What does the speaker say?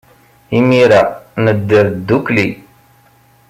Imir-a, nedder ddukkli.